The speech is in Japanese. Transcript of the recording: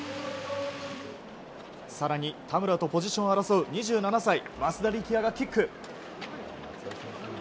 更に、田村とポジションを争う２７歳、松田力也がキック。